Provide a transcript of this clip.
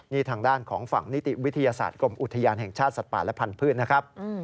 นี่ทางด้านของฝั่งนิติวิทยาศาสตร์กรมอุทยานแห่งชาติสัตว์ป่าและพันธุ์นะครับ